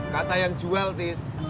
kata yang jual tis